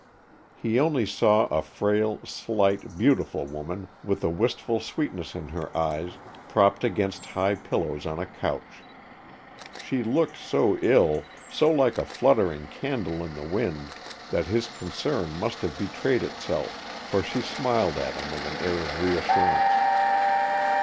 He only saw a frail, slight, beautiful woman, with a wistful sweetness in her eyes, propped against high pillows on a couch. She looked so ill, so like a fluttering candle in the wind, that his concern must have betrayed itself, for she smiled at him with an air of reassurance.